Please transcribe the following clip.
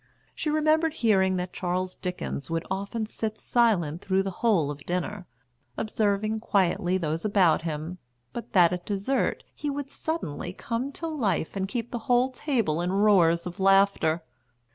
She remembered hearing that Charles Dickens would often sit silent through the whole of dinner, observing quietly those about him, but that at dessert he would suddenly come to life and keep the whole table in roars of laughter.